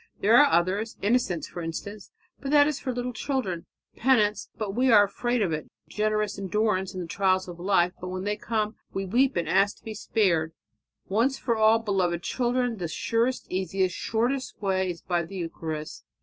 "There are others, innocence, for instance, but that is for little children; penance, but we are afraid of it; generous endurance of the trials of life, but when they come we weep and ask to be spared. Once for all, beloved children, the surest, easiest, shortest way is by the Eucharist.